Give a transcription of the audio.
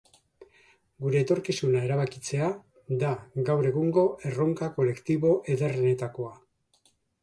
Gure etorkizuna erabakitzea da gaur egungo erronka kolektibo ederrenetakoa.